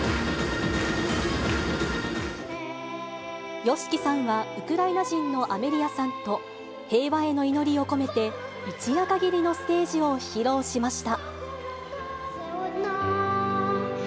ＹＯＳＨＩＫＩさんは、ウクライナ人のアメリアさんと、平和への祈りを込めて、一夜限りのステージを披露しました。